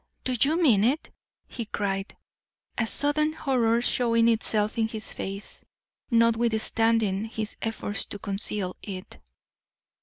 "Do you mean it?" he cried, a sudden horror showing itself in his face, notwithstanding his efforts to conceal it.